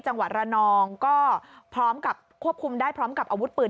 จังหวัดระนองก็ควบคุมได้พร้อมกับอาวุธปืน